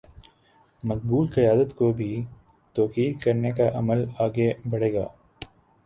مقبول قیادت کو بے توقیر کرنے کا عمل آگے بڑھے گا۔